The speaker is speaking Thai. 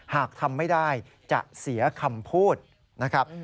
หากทำไม่ได้จะเสียคำพูดนะครับ